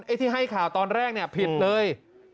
ที่ให้ข่าวตอนแรกเนี่ยผิดเลย